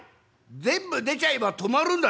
全部出ちゃえば止まるんだ！」。